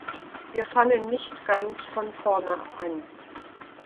Wir fangen nicht ganz von vorne an.